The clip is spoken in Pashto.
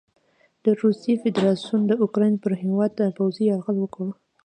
د روسیې فدراسیون د اوکراین پر هیواد پوځي یرغل وکړ.